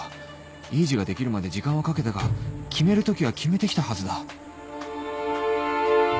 いい字ができるまで時間はかけたが決めるときは決めてきたはずだ